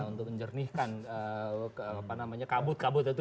untuk menjernihkan kabut kabut itu